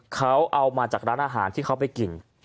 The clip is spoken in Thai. เขาเอามาจากร้านอาหารที่เขาไปกิน